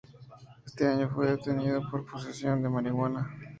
Ese año fue detenido por posesión de marihuana.